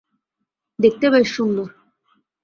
দেখতে বেশ সুন্দর।